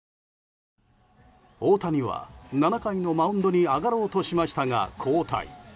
大谷は７回のマウンドに上がろうとしましたが交代。